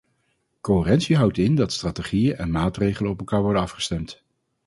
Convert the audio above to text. Coherentie houdt in dat strategieën en maatregelen op elkaar worden afgestemd.